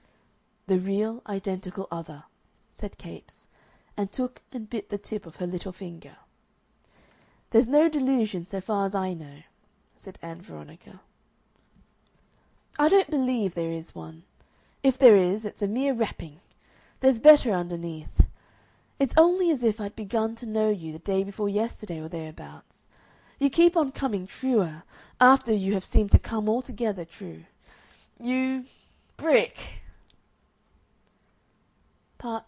"The real, identical other," said Capes, and took and bit the tip of her little finger. "There's no delusions, so far as I know," said Ann Veronica. "I don't believe there is one. If there is, it's a mere wrapping there's better underneath. It's only as if I'd begun to know you the day before yesterday or there abouts. You keep on coming truer, after you have seemed to come altogether true. You... brick!"